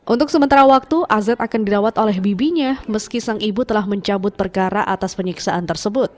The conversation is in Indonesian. untuk sementara waktu az akan dirawat oleh bibinya meski sang ibu telah mencabut perkara atas penyiksaan tersebut